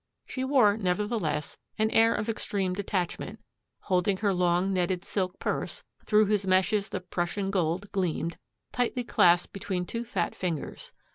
She wore, nevertheless, an air of extreme detachment, holding her long netted silk purse through whose meshes the Prussian gold gleamed tightly clasped between two fat fingers.